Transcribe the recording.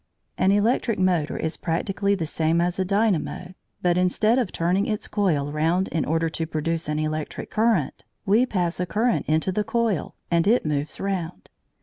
An electric motor is practically the same as a dynamo, but instead of turning its coil round in order to produce an electric current, we pass a current into the coil and it moves round.